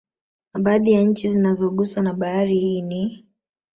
Na baadhi ya nchi zinazoguswa na Bahari hii ni